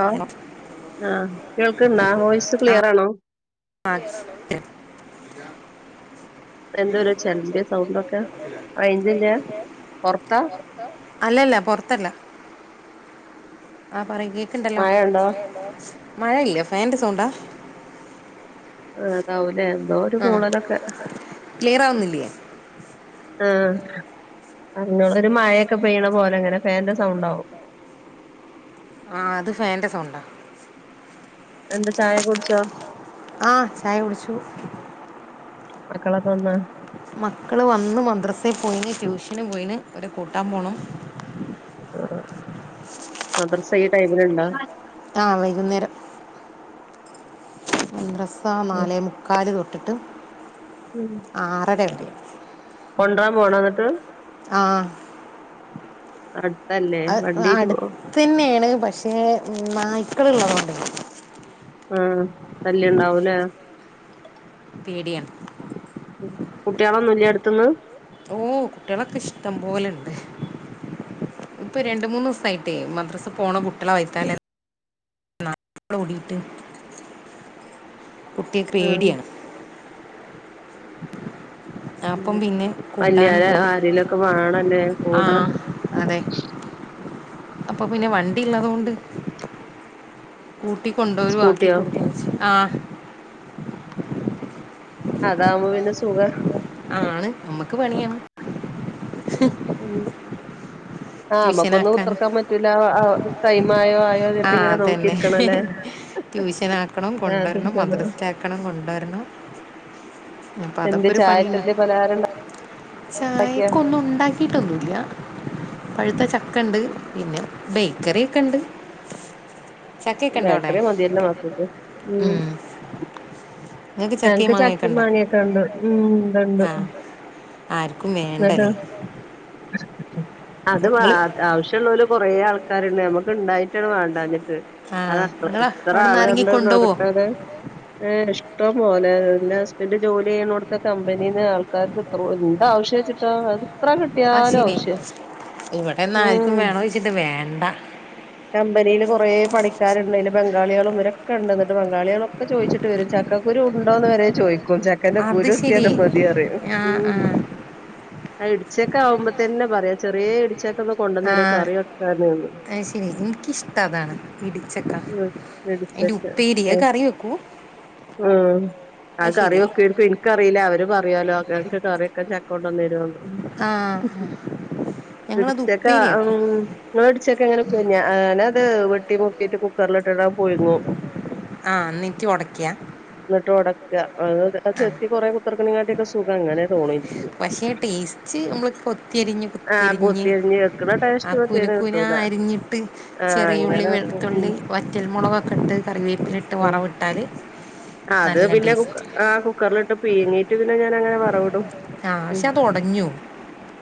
ആഊ hello ആഹ് കേൾക്ക്ണ്ടോ voice clear ആണോ? ആക്സ് [unintelligible] ന്താ എന്തൊരു ചെലമ്പിയ സൗണ്ടൊക്കെ പ്പ ഒരു [unintelligible] റേഞ്ചില്ല റൈൻജ് പൊറത്താ അല്ലല്ല പൊറ്ത്തല്ല ആഹ് പറി കേ ക്ക്ണ്ടല്ലോ മഴണ്ടോ മയണ്ടോ? മഴ ഇല്ല ഫേന്റെ സൌണ്ടാ. ആഹ് അതാവൂലേ എന്തോ ഒരു ആ മൂളലൊക്കെ. ക്ലിയർ ആവുന്നില്ലേ ആഹ് അങ്ങ ഒരു മഴയൊക്കെ പെയ്യ്ണ പോലെങ്ങനെ ഫേന്റെ സൗണ്ടാകും. ആഹ് അത് ഫേന്റെ സൌണ്ട. എന്ത് ചായ കുട്ച്ചോ? ആഹ് ചായ കുട്ച്ചു. മക്കളക്കെ വന്നോ? മക്കള് വന്ന് മദ്രസയിൽ പോയിന് ട്യൂഷന് പോയിന് അവരെ കൂട്ടാൻ പോകണം. ആഹ് മദ്രസ ഈ ടൈമില്ണ്ടോ? ആഹ് വൈകുന്നേരം. മദ്രസാ നാലേ മുക്കാല് തൊട്ടിട്ട്. ഉം. ആറര വരെ. കൊണ്ട്റാം പോണോ ന്നിട്ട് ആഹ്. അടുത്തല്ലേ വണ്ടീട്ട് പോ അടുത്ത തന്നെയാണ് പക്ഷേ നായ്ക്കള ഉള്ളത കൊണ്ട ആഹ് ശല്യ ഉണ്ടാവൂലേ പേഡിയ കുട്ടികളോന്നല്യ അടുത്തന്ന് ഓ കുട്ടികളൊക്കെ ഇഷ്ടം പോലെണ്ട് ഇപ്പൊ രണ്ട മൂന്ന് ദിവസയി തെ മദ്രസ് പോണ കുട്ടള വായിത്തല അടെ ടിയിട്ട് കുട്ടിയക്ക് ആഹ് പേടിയാണ് അപ്പം പിന്നെ കൂട്ടാൻ വല്ല്യോര് പോയി ആരേലൊക്കെ വേണല്ലേ കൂടെ ആഹ് അതെ അപ്പൊ പിന്നെ വണ്ടിള്ളതുകൊണ്ട് സ്കൂട്ടിയോ കൂട്ടിക്കൊണ്ടുവരുവാക്കിടുക്ക ആഹ് അതാവുമ്പോ പിന്നെ സുഖ ആണ് നമ്മക്ക് പണിയാണ് ഉ ആഹ് നമ്മക്കൊന്നും ട്യൂഷനാക്കാൻ ഉത്തിർക്കാൻ പറ്റൂല ടൈം ആയോ ആയോന്തെങ്ങനെ നോക്കിയിരിക്കണ അല്ലേ ട്യൂഷന ആക്കണം കൊണ്ടുവരണം മദർസ് ആക്കണം കൊണ്ടുവരണം അപ്പൊ എന്ത് അതൊക്കെ ഒരു ചായക്ക് പണിയണ് എന്ത് പലഹാരം ഉണ്ടാക്കിയാ ചായക്ക ഒന്നും ഉണ്ടാക്കിട്ടൊന്നുംല്ല പഴുത്ത ചക്കണ്ട് പിന്നെ ബേക്കറി ഒക്കെ ഇണ്ട് ചക്കയ ഒക്കെ ഇണ്ടോ അവിടെ ബേക്കറി മതിയല്ലോ മക്കൾക്ക് ഉം ഉമ് ഞങ്ങക്ക് മാങ്ങയൊക്കെ ചക്കി ഉണ്ടോ മാങ്ങിയൊക്കെ ഉണ്ട് ഉമ് ഇണ്ട് ണ്ട് ആ ആർക്കും വേണ്ടല്ലേ അത് നിങ്ങൾ ആവശ്യുള്ള പോല കൊറ ആൾക്ക കാര്ണ്ട് നമ്മക്ക് ഇണ്ടായിട്ടാണ് വേണ്ടാഞ്ഞിട്ട് ആ അത നിങ്ങൾ എത്ര അവിടെ നിന്ന് ആള് ആരെങ്കിലും കണ്ട് കൊണ്ടുപോവോ നോക്കിട്ടത് ഏഹ് ഇഷ് ഇഷ്ടം പോലെ എന്റെ ഹസ്ബൻഡറ് ജോലി ചെയ്യുന്ന കൊടുത്ത കമ്പനിന്ന് ആൾക്കാർക്ക് എ എന്താവശ്യം വച്ചിട്ടോത് എത്ര ആ കിട്ടിയാലും ശരി ആവശ്യ ഉം ഇത് വേണ്ട കമ്പനിയിൽ കുറേ പണിക്കാരുണ്ടല് ബംഗാളികള ഇരൊക്കെ ഉണ്ട എന്നിട്ട് ബംഗാളികളൊക്കെ ചോദിച്ചിട്ട് ട്ടവരും ചക്കകുരു ഉണ്ടോന്ന് വരെ ചോയ്ിക്കും ചക്കന്റെ അത് കുരു ശരി കിട്ടിയാലും മതി അറിയ ആ ഉമ് ആ ആ ഇടിച്ചക്കെ ആവുമ്പ തന്നെ പറയാ ചെറിയ ഇടിച്ചക്ക ഒന്ന് കൊണ്ടുവന്നരരുോ കറിയ വക്ക ഒന്ന് ആ ശരി എനിക്കിഷ്ടം അതാണ് ഇടിച്ചക്ക ഉം അതിൻ്റെ ഉപ്പേരിയ അത് കറി വെക്കു ഉമ് അ ശരി കറിവെക്കരുക് ഇന്ക് കറില്ല അവര് പറയാലോ അ കറിയൊക്കെ ചെക്കൊണ്ടന്നരുന്ന് ആ ആ. ഞങ്ങളത് ഇഡ്ച്ചക്ക ഉപ്പേരി വെക്കും ഉം മേടിച്ചൊക്കെ എങ്ങനെ പോഞ്ഞ ന അത് വെട്ടി മുക്കിട്ട് കുക്കറിലിട്ടണ്ട് പുയിഗും ആഹ് നീട്ടി ഉടക്കിയ എന്നിട്ട് ഓടക്കാ അത് ചെത്തി കുറെ കുത്തിർക്കണങ്ങാട്ടിയൊക്കെ സുഖം അങ്ങനെ തോണി പക്ഷേ ടേസ്റ്റ് നമ്മൾ കൊത്തിരിഞ്ഞ് ആഹ് കൊത്തിരിഞ്ഞ് കുത്തിരിഞ്ഞ് വെക്ക്ണ ടേസ്റ്റ് ആഹ് കുന മറ്റേന് കുന കിട്ടൂല അരിഞ്ഞി ട്ട് ആഹ് ചെറിയുള്ളി അങ്ങനെ വെക്കും ഉം വെളുത്തുള്ളി വറ്റൽമുളകൊക്കെ ഇട്ട് കറിവേപ്പിലിട്ട് വറവ ഇട്ടാല് ആഹ് അത് പിന്നെ കുക്കറിലിട്ട് പീങ്ങീട്ട് പിന്നെ ഞാൻ അങ്ങനെ പറവിടും ആഹ് പക്ഷെ അതൊടഞ്ഞോഉം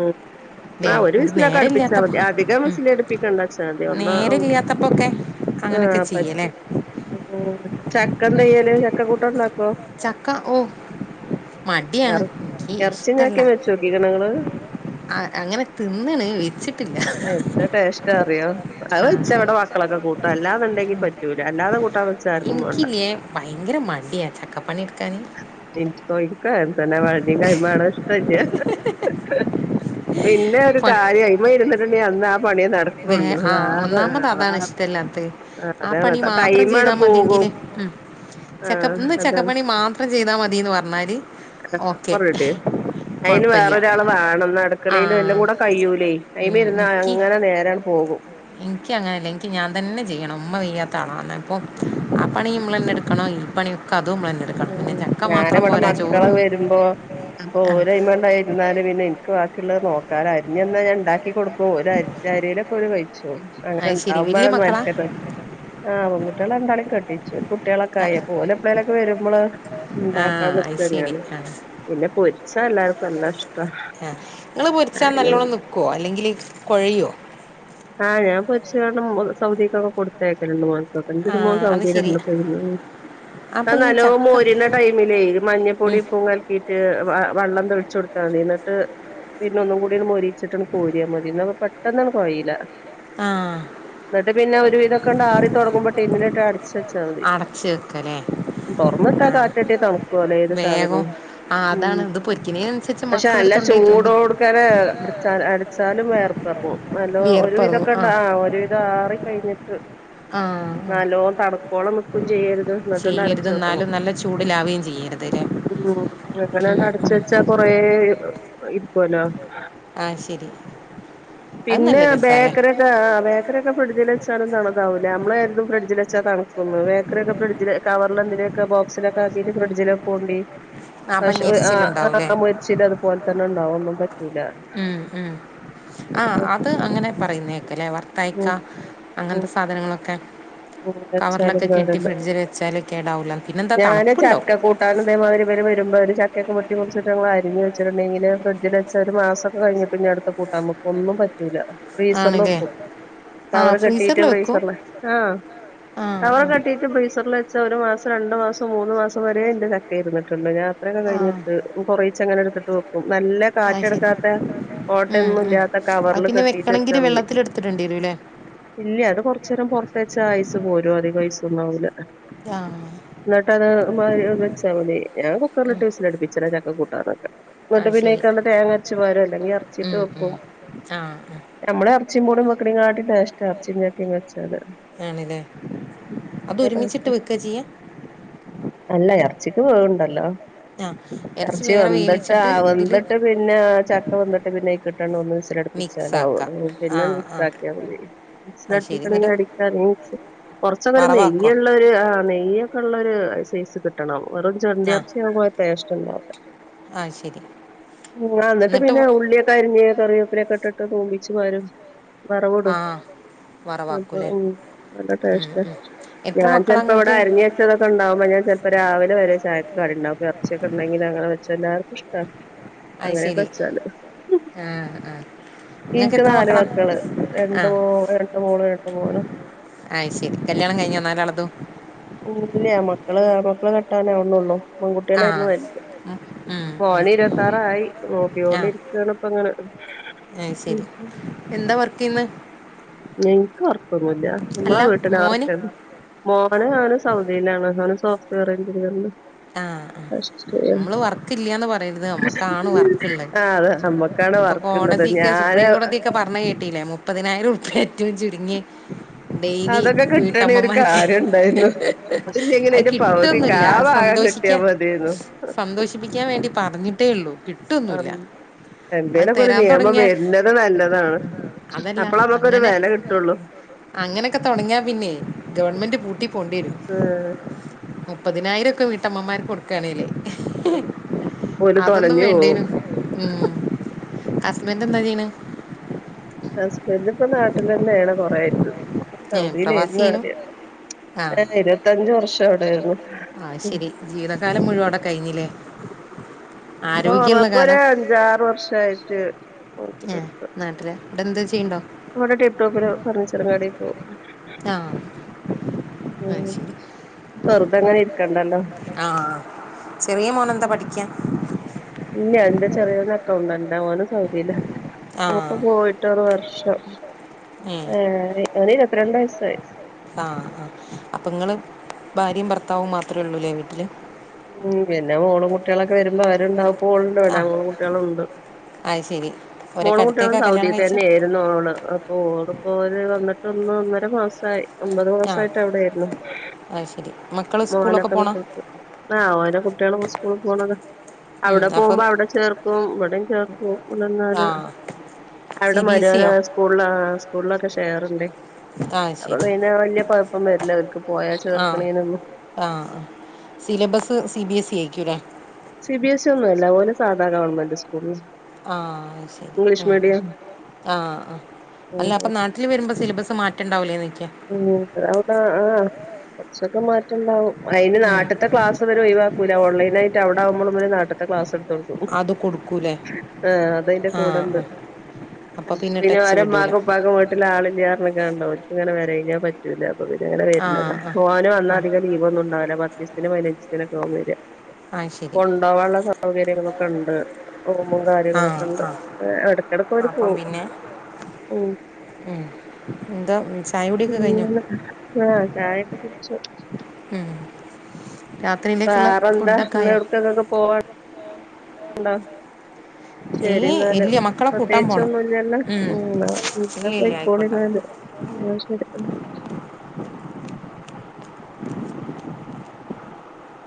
ഉം ല്ലെ ആഹ് ഒരു വിസിലൊക്കെ നേര അടുപ്പിച്ചാ ഇല്ലാത്തപ്പോ മതി അധികം ഉമ് വിസിലടുപ്പിക്കണ്ടാച്ചാ മതി ഒന്നാ നേര ഇല്ലാത്തപ്പോക്കെ അങ്ങനെയൊക്കെ ആഹ് ചെയ്യല്ലേ പറ്റും ചക്ക എന്ത ചെയ്യല് ചക്ക കൂട്ട ഉണ്ടാക്കോ ചക്ക ഓ മടിയാണ് എർ എനിക്ക് എറച്ചിം ഇഷ്ടല്ല ചക്കിം വെച്ചോക്കിക്ക്ണോ ഇങ്ങള് ആഹ് അങ്ങനെ തിന്നണ് വെച്ചിട്ടില്ല ത് ടേസ്റ്റ് അറിയോ അത് ആ വെച്ചവിടെ മക്കളൊക്കെ കൂട്ടും അല്ലാെന്ന്ണ്ടെങ്കി പറ്റൂല അല്ലാതെ കൂട്ടാൻ വെ ഇനിക്ക്ലേ ഭയങ്കര മടിയാണ് ചക്ക പണിയേടുക്കാന് ഇനിക്കോ ഇനിക്കോ അങ്ങനതന്നെ വൾഞ്ഞി കൈമാണ് ഇഷ്ടല്ല പിന്നെ ഒരു കാര്യ അയമെ ഇരുന്നിട്ടുണ്ട അന്ന ആ പണിയേ വേ നടക്കുള്ളൂ ആഹ് വേറെ ഒന്നാമത് വേറെ അതാണ് ഇഷ്ടല്ലാത്തത് ആഹ് ആ അതാണ് പണി മാത്രം ടൈം മാട് പ്പോകും ചക്കപ്പ് ഇന്ന് ചക്കപ്പണി മാത്രം ചെയ്താൽ മതിന്ന് പറഞ്ഞാല് ഓക്കേ അയിന് വേറൊരാൾ വേണം അടുക്കളയിലു ആഹ് എല്ലാം കൂടെ കഴുലേ അയിമ ഇരുന്ന് അങ്ങനെ നേരംപോകും ഇൻക്ക് അങ്ങനെല്ല ഇൻക്ക് ഞാൻ തന്നെ ചെയ്യണം ഉമ്മ വെയ്യാത്ത ആളാ ഇപ്പൊ ആ പണി നമ്മള തന്നെ എടുക്കണോ ഈ പണി അതും നമ്മള ഞാന് ഇവിടെ മക്കള് വരുമ്പോ അപ്പൊ ആഹ് ഓലയിമണ്ടായിരുന്നാലും പിന്നെ എനിക്ക് ബാക്കിയുള്ള നോക്കാലോ അരിഞ്ഞാ ഞാ ഉണ്ടാക്കി കൊടുക്കും അറിയലോക്കഴിച്ചു അത് ശരി അങ്ങനെണ്ടാവുമ്പേ വല്യ മക്കളാ മനക്കടാ ആ പെൺകുട്ടിയളെ രണ്ടാള കെട്ടിച്ചു ഒരു കുട്ടികളൊക്കെ ആയി ഓല് എപേളലൊക്കെ വരും നമ്മള് ഉണ്ടാക്കാൻ ആഹ് അത് നിക്കാ ഞാൻ ശരി ആഹ് പിന്നെ പൊരിച്ചാ എല്ലാർക്കും എല്ലാം ഇഷ്ട്ടം ആ നിങ്ങൾ പൊരിച്ചാ നല്ലോണ്ണം നിൽക്കുവോ അല്ലെങ്കിൽ കുഴയിയോ ആഹ് ഞാ പൊരിച്ചാൽ സൗദിക്കക്കെ കൊടുത്തേയാക്കലുണ്ട് മോൻകോക്കെ എൻ്റെ ഒരു മോന് ആഹ് അത് സൗതീൽ ശരി [unintelligible] പോയിരുന്നു ആ അപ്പൊ ഈ നല്ലോ ചക്ക മോരിന്ന ടൈമിലേ മഞ്ഞപ്പൊടി ഉം ഉപ്പും കൽക്കിട്ട് വെള്ളം തെളിച്ചു കൊടുത്താ മതി എന്നിട്ട് പിന്നെ ഒന്നുകൂടി മുരിച്ചിട്ടണ് കോരിയാ മതി പെട്ടെന്നണ് കുഴയില്ല ആഹ് എന്നിട്ട് പിന്നെ ഒരുവിതക്കണ്ട് ആറി തുടങ്ങുമ്പോ ട്ടിന്നിലിട്ട് അട അടച് വെക്കല്ലേ തുറന്ന്ട്ടാ കാറ്റട്ടിയ തണുക്കുവല്ലോ ഏത് വേഗം സാധനവും ആഹ് ഉം അതാണ് ഇത് പൊരിക്കുന്നതിനനുസരിച്ച് പക്ഷെ നല്ല മക്കളെടുത്തുണ്ടോയി തിന്നും ചൂടോടുക്കാന അടാ അടിച്ചാലും വേർപ്പറങ്ങും നല്ല വിയർപ്പെറങ്ങും ആഹ് ആ ഒരുവിധം ആറി കഴിഞ്ഞിട്ട് ആഹ് ആഹ് നല്ലോ തണക്കോള നിക്കും ചെയ്യരുത് എന്നിട്ടണ്ട് ചെയ്യരുത് അടച്ച് വെക്കണം എന്നാലും നല്ല ചൂടിലാവുകയും ചെയ്യരുത് ലെ ഉം അങ്ങനെ അടച്ച വെച്ചാ കൊറേ ഇരിക്കുവല്ലോ ആഹ് ശരി അത് നല്ല രസാല ഇത ആ ബേക്കറിക്കെ ഫീഡ്ജിൽ വച്ചാലു തണുപാവില്ല നമ്മള് കരുതും ഫ്രിഡ്ജിൽ വെച്ചാ തണുകുന്ന് ബേക്കറിക്കെ ഫ്രഡ്ജില് കവർ എന്തീലൊക്കെ ബോസിലൊക്കെക്കിട്ട് ഫീഡ്ജിലക്കോണ്ടി അപ്പം പക്ഷെ ഞെരിച്ചിലുണ്ടാവൂല്ലേ ആ മുറ്ച്ചില് അതുപോലെ തന്നെ ഉണ്ടാവും ഒന്നും പറ്റൂല ഉം ഉം ആ അത് അങ്ങനെ പറയുന്നേക്കല്ലേ അവർ തൈക്ക ഉം അങ്ങനത്തെ സാധനങ്ങളൊക്കെ വച്ചാലും കവറിലൊക്കെ കെട്ടി കേടുന്നു ഫ്രിഡ്ജിൽ വെച്ചാല് കേടാവൂല പിന്നെന്താ ഞാന തണുപ്പുണ്ടാവും ചക്കക്കൂ ഞാന് ഇതേ മാതിരി ഇവർവരുമ്പ ഒരു ചക്കെ മുട്ടിറിച്ചിട്ട് ഞമ്മള് അരിഞ്ഞ് വെച്ചിട്ടുണ്ടങ്കിൽ ഫ്രിഡ്ജില് വെച്ച ഒരു മാസൊക്കെ കഴി പിന്നെടുത്ത തു കുട്ടൻവേക്കും ഒന്നുംപറ്റൂല ആണ്ല്ലേ ബ്രീസറില്ലേക്കും കവർ ആഹ് കെട്ടിട്ട് ഫ്രീസറിൽ വെക്കും ബ്രീസറില് ആഹ് ആഹ് കവർ കട്ടിട്ട് ബ്രീസറിൽ വെച്ചാ ഒരു മാസം രണ്ടു മാസം മൂന്ന് മാസം വരേ എന്റെ ചക്കയിരിന്നിട്ട്ണ്ട് ഞാ അത്രയൊക്കെ ആഹ് കഴിഞ്ഞിട്ട് കുറച്ചങ്ങനെ എടുത്തിട്ട് വെക്കും നല്ല ആഹ് അത് ശരി കാറ്റെടുക്കാത്ത ഉം ഓട്ടെന്നും ഉം ഇല്ലാത്ത അത് കവറില് പിന്നെ കെട്ടിട്ട് വെച്ചാ വെക്കണമെങ്കിൽ മതി വെള്ളത്തിലെടുത്തിടേണ്ടി വരുംല്ലേ ഇല്ല അത് കൊറച്ച നേരം പൊറത്തച്ചാ അയ്സ് പോരും അധികം ഐസ് ഒന്നും ആവൂല ആഹ് എന്നിട്ട അത് മാ വെച്ചാൽ മതി ഞാൻ കുക്കറിലിട്ട വിസിൽ അടുപ്പിച്ചലാ ചക്ക കൂട്ടാനൊക്കെ എന്നിട്ട് അത് ശരി പിന്നേക്കാണ്ട് തേങ്ങച്ചുപാരും അല്ലെങ്കി എറച്ചിട്ട് ഉം ഉം വെക്കും ആഹ് ആഹ് നമ്മള് എറച്ചി പൂളീം വെക്കണേ കാട്ടി ടേഷ്ട എറച്ചി ചക്കി വെച്ചാല് ആണിലേ ചെയ്യാ അല്ല ഇർച്ചിക്ക് വേവുണ്ടല്ലോ ആഹ് ഇറച്ചി എറച്ചി വേറെ വെന്തിട്ട് വേവിച്ചിട്ട് ആഹ് ഇതില് വെന്ത്‌ട്ട് പിന്നെ ചക്ക വന്ത്‌ട്ട് പിന്നെ അയ്കിട്ടണ്ടോന്ന് ലപ്പിച്ച മിക്സ് ലാവോ ആക്കാം അത് പിന്നെ ആഹ് ആഹ് മിക്സാക്കിയാ മതി വിസി അത് ശരി ലടിപ്പിക്കണമെങ്കി എന്നിട്ട് അടിക്കാ അല്ലെങ്കി മിക് കുറച്ചൊക്കെ വറവാക്കോ നെയ്യള്ള ഒരു നെയ്യ ഒക്കെ ഉള്ള ഒരു സൈസ് കിട്ടണം വെറ ചെണ്ടി ആഹ് ഇറച്ചിയകുമ്പോലെ ടേസ്റ്റ് ഉണ്ടാവില്ല ആഹ് ശരി ആ അ ന്നിട്ട് എന്നിട്ട് പിന്നെ ഉള്ളിയൊക്കെ അരിഞ്ഞ കറി ഉള്ളിയെക്കെ ട്ടിട്ട് തൂമിച്ച്പാരും വറവിടും ആഹ് അപ്പൊ വറവാക്കൂല്ലേ ഉം നല്ല ഉം ടേഷ്ട ഉം എത്ര ഞാൻ മക്കളാ ചെലപ്പോ ഇവിടെ നിങ്ങൾക്ക് അരിഞ്ഞേ ചച്ചതൊക്കെണ്ടകുമോ ഞാ ചെലപ്പോ രാവിലെ വരെ ചായക്കെ കടി ഉണ്ടാവും ഇറച്ചിയൊക്കെണ്ടെങ്കി അങ്ങനെ എല്ലർക്കും അയ്ശരി ആഹ് ആഹ് നിങ്ങൾക്ക് ഇനിക്ക് എത്ര മക്കളാ നാലുമക്കള് ആ രണ്ട് മോളും രണ്ട് മോനും അയ് ശരി കല്യാണം കഴിഞ്ഞോ നാലാളതും ഇല്ല മക്കള് മക്കള് കെട്ടാനേവുന്നുള്ളൂ ആ പെൺകുട്ടികളായിരുന്നു വൽത് ഉം ഉം മോന് ഇരുപത്താറായി നോക്കികോണ്ടിരിക്ക കേണപ്പ അങ്ങനെ ഏ അയ്ശരി എന്താ വർക്ക് ചെയ്യിന്നെ ൻക് വർക്കൊന്നുല്ല നമ്മളെ അല്ല വീട്ടിലെ മോന് വർക്കന്നേ മോന് അവന് സൗദിയിലാണ് അവന് സോഫ്റ്റ്വെയർ എഞ്ചിനീയർനാ ആഹ് മ്മള് വർക്കില്ല്യാന്ന് പറയരുത് നമ്മക്കാണ് വർക്കള്ളത് ആ അതെ നമ്മക്കാണ് ഇപ്പൊ വർക്കുള്ളത് കോടതിക്കെ ഞാന് സുപ്രീം കോടതിക്കെ പറഞ്ഞ കേ ട്ടില്ലേ മുപ്പതിനായിരം ഉരുപ്യഏറ്റവും ചുരുങ്ങി ഡെയിലി അതൊക്കെ കിട്ടണ ഒരു വീട്ടമ്മമാർക്ക് കാര്യം ഉണ്ടായിരുന്നു അതില്ലെങ്കിൽ അത് അതിന്റെ പകുതിക്ക് കിട്ടൊന്നുല്ല ആ ഭാഗം കിട്ടിയാ സന്തോഷിക്കാൻ മതിയായിരുന്നു സന്തോഷിപ്പിക്കാൻ വേണ്ടി പറഞ്ഞിട്ടേള്ളൂ കിട്ടുവൊന്നുല്ല എന്തേലുക്കൊരു നിയമം വരുന്നത് നല്ലതാണ് അതല്ല അപ്പളാനമ്മക്കൊരു അങ്ങനെ വില കിട്ടുള്ളൂ അങ്ങനെയൊക്കെ തുടങ്ങിയാ പിന്നെ ഗവൺമെന്റ് പൂട്ടി പോണ്ടി വരും മുപ്പതിനായിരക്കെ വീട്ടമ്മമാർക്ക് കൊടുക്കയാണെങ്കിലേ ഓല് അതൊന്നും തൊലഞ്ഞു പോകും വേണ്ടേനു ഉം ഹസ്ബന്റ് ന്താ ചെയ്യ്ണ് ഹസ്ബന്റ് ഇപ്പ നാട്ടിൽ തന്നെ ആണ് കൊറേ ആയിട്ടു സൗതിലെർന്നു ആദ്യം ആഹ് ഏ ഇരുപത്തഞ്ച് വർഷം അവിടെയായിരുന്നു ആഹ് ശരി ജീവിതകാലം മുഴുവടെ കഴിഞ്ഞിലെ ഒറപ്പൊ രു അഞ്ചാറ് വർഷയിട്ട് ഏ നാട്ടില ഇവിടെ എന്താ ചെയ്യ്ണ്ടോ ഇവിടെ ടെൺ ടോപ്പില് ഫർണിച്ചർ കടീ പോകും ആഹ് അയ്ശരി വെറുതങ്ങനെരിക്കണ്ടല്ലോ ആഹ് ചെറിയ മോനെന്താ പഠിക്കാ ഇല്ല എന്റെ ചെറിയൊനക്കൗണ്ടന്റാ ഓന് സൗദ്യല ആ ഓന്പ്പ പോയി മറ്റോറ് വർഷം ഏ ഓന് ഇരുപത്തിരണ്ട് വയസ്സായി ആഹ് ആ അപ്പൊങ്ങള് ഭാര്യ ഭർത്താവും മാത്രള്ളൂല്ലേ വീട്ടില് ഉം പിന്നെ മോളും കുട്ടിളൊക്കെ വരുമ്പോ അവരുണ്ടാവും ഇപ്പൊ ഓള്ണ്ട് ഇവടെ മോളും കുട്ടികളുംണ്ട് അയ്ശരി മോളും കുട്ട്യാളും സൗദീ തന്നേര് ന്നോള് അപ്പൊ ഓള് പോര് വന്ന്ട്ട് ഒന്നര മാസമായി. ഒമ്പത് ആ മാസായ്ട്ട് അവിടയാര്ന്ന്, അത് ശരി മക്കൾ സ്കൂളൊക്കെ പോണോ മോനൊക്കെനിക്ണോട്ത്. ആഹ് ഓരെ കുട്ട്യാള് സ്കൂള് പോണത. ഉം, അവ്ടെ അപ്പം പോകുമ്പോ അവടെ ചേർക്കും ഇവടേം ചേർക്കും ഇവിടെന്നാല്. ആ സി അവ്ടെ ബി എസ് മരോനാ സിയോ സ്കൂൾല് സ്കൂളൾലൊക്കെ ഷെയറ്ണ്ടേ. ആ അപ്പൊ ശരി പിന്നെ വല്യ കൊഴ്പ്പം വരൂലോർക്ക് പോയാ ചേർക്ക്ണീനൊന്നും. ആഹ്, syllabus C B S E ആയ്ക്കൂ ലേ. സി ബി എസ് ഇ ഒന്നൊല്ല ഓല് സാധാ ഗവൺമെന്റ് സ്കൂൾലാ. ആഹാ ശെരി ഉം ആഹ് ആഹ് അല്ലപ്പൊ നാട്ട് ട്ടില് വരുമ്പൊ സിലബസ് മാറ്റണ്ടാവൂലേനോയ്ക. ഉം അവ്ടെ ആഹ് കൊർച്ചൊക്കെ മാറ്റണ്ടാവും അയ്ന് ഉം, നാട്ട്ത്തെ ക്ലാസ്. ഇവര് ഒഴിവാക്കൂല ഓൺലൈനായ്ട്ട് അവിടാ കുമ്പളും ഇവര് നാട്ട്ത്തെ ക്ലസ്ട് ത്തോട്ക്കും, അത് കൊടുക്കൂലേ ആഹ് അതയ്ന്റെ ആ ആ കൂടെണ്ട്. അപ്പം ആഹ് പിന്നെ ടച്ച് വിടൂല ഓരെമ്മാകുംഉപ്പാകും വീട്ടില്ആളില്ലാനർഞ്കാണ്ട് ഓര്ക്ങ്ങനെ വരായ്ഞ്ഞാപറ്റ് റ്റൂല്ല ആ അപ്പപിന്നെങനെവര്ന്നത്, ആ ഓന് ആ വന്നാധികം ലീവൊന്നുംണ്ടാവില്ല പത്തീസ്ത്തിന് പതിനഞ്ചീസ്തിനൊക്കാവും വെര. ആയ്ശെരി. ണ്ടാവാന്ള്ള സൗകര്യങ്ങളൊക്കെ ഇണ്ട്. റൂമും ആ കാര്യങ്ങളൊക്കെണ്ട്, ആ എടക്കിടക്ക് ഓര് അപ്പം പോകും. പിന്നെ ഉം ഉം എന്താ വി അങ്ങനെ ആഹ് ചായൊക്കെ കുടിച്ച്. ഉം. രാത്രിയിലേക്കുള്ള വേറെന്താ ഫുഡൊക്കെ ഇന്ന് ആയോ എവ്ട്ക്കൊക്കെ പോവാ ണ്ടൊ ഏ ശെരിന്നാല്, ഇല്ല മക്കളെ കൂട്ടാൻ പോണം പ്രത്യേകിച്ചൊന്നുംല്ലല്ലോ ഉം ന്നാ ഇല്ല ഇല്ല ആയിക്കോട്ടെ എന്നാൽ. പൊയ്ക്കോളിന്നാല്. ന്നാ ശെരി ഉം.